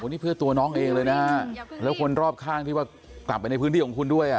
นี่เพื่อตัวน้องเองเลยนะฮะแล้วคนรอบข้างที่ว่ากลับไปในพื้นที่ของคุณด้วยอ่ะ